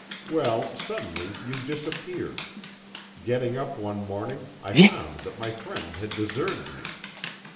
Well, suddenly you disappeared; getting up one morning, I found that my friend had deserted me.